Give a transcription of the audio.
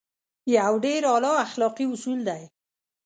يو ډېر اعلی اخلاقي اصول دی.